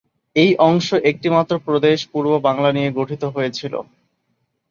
এই অংশ একটিমাত্র প্রদেশ পূর্ব বাংলা নিয়ে গঠিত হয়েছিল।